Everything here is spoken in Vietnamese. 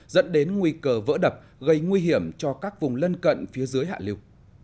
dẫn đến nguy cơ vỡ đập gây nguy hiểm cho các vùng lân cận phía dưới hạ liều